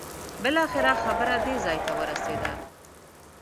بالاخره خبره دې ځای ورسېده.